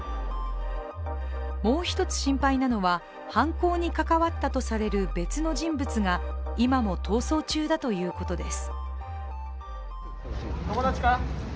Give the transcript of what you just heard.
もう一つ心配なのは犯行に関わったとされる別の人物が今も逃走中だということです。